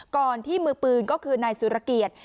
ก่อนที่มือปืนก็คือนายสุรเกียรติ